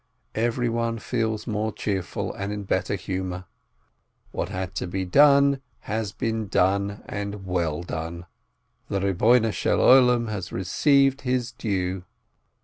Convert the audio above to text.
Everyone feels more cheerful and in better humor. What had to be done, has been done and well done. The Lord of the Universe has received His due.